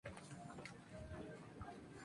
Las conversaciones tuvieron lugar en Breda.